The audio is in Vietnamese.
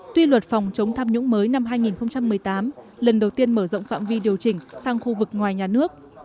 tuy luật phòng chống tham nhũng mới năm hai nghìn một mươi tám lần đầu tiên mở rộng phạm vi điều chỉnh sang khu vực ngoài nhà nước